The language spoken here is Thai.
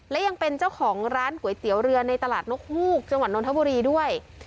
และยังเป็นเจ้าของร้านก๋วยเตี๋ยวเรือในตลาดนกฮูกจังหวัดนทบุรีด้วย